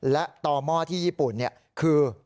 และต่อหม้อที่ญี่ปุ่นคือ